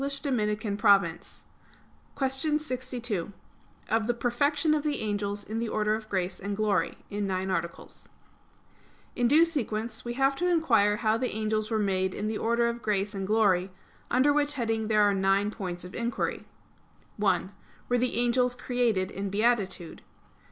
_______________________ QUESTION 62 OF THE PERFECTION OF THE ANGELS IN THE ORDER OF GRACE AND OF GLORY (In Nine Articles) In due sequence we have to inquire how the angels were made in the order of grace and of glory; under which heading there are nine points of inquiry: (1) Were the angels created in beatitude?